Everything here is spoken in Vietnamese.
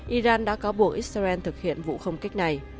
iran đã cáo buộc israel thực hiện vụ không kích này